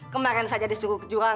kemarin saja disuruh dikutuknya mofrok